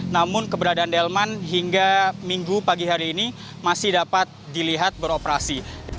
namun keberadaan delman hingga minggu pagi hari ini masih dapat dilihat beroperasi